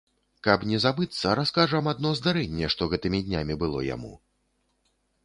Каб не забыцца, раскажам адно здарэнне, што гэтымі днямі было яму.